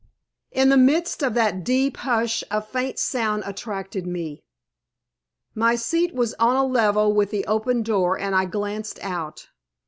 In the midst of that deep hush a faint sound attracted me. My seat was on a level with the open door, and I glanced out.